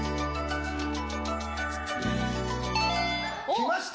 きました。